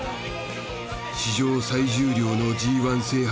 史上最重量のＧ制覇